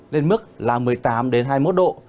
lên mức là một mươi tám hai mươi một độ